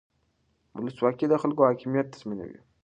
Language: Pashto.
ولسواکي د خلکو حاکمیت تضمینوي